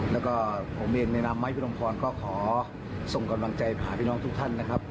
แล้วก็ผมเองในนามไม้พิรมพรก็ขอส่งกำลังใจพาพี่น้องทุกท่านนะครับ